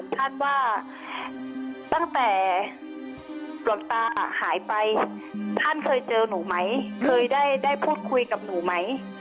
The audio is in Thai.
ท่านว่าตั้งแต่หลวงตาหายไปท่านเคยเจอหนูไหมเคยได้พูดคุยกับหนูไหม